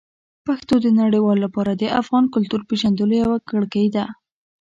پښتو د نړیوالو لپاره د افغان کلتور پېژندلو یوه کړکۍ ده.